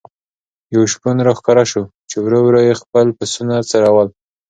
یو شپون را ښکاره شو چې ورو ورو یې خپل پسونه څرول.